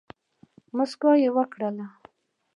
نرۍ مسکا یي وکړه